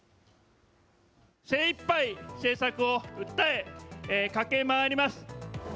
精いっぱい政策を訴え駆け回ります。